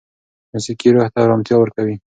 موسیقي روح ته ارامتیا ورکوي.